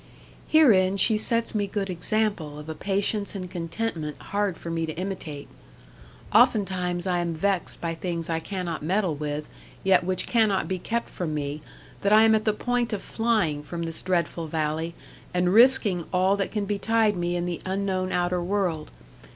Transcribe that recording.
'Herein she sets me good example of a patience and contentment hard for me to imitate. Oftentimes I am vexed by things I cannot meddle with, yet which cannot be kept from me, that I am at the point of flying from this dreadful valley, and risking all that can betide me in the unknown outer world.